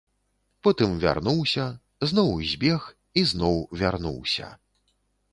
Потым вярнуўся, зноў збег і зноў вярнуўся.